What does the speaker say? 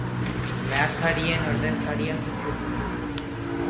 Meatzarien ordezkariak hitz egin du.